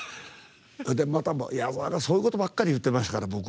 また、矢沢がそういうことばっかり言ってましたから。